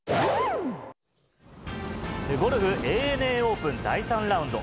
ゴルフ、ＡＮＡオープン、第３ラウンド。